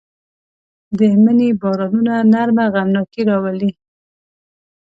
د مني بارانونه نرمه غمناکي راولي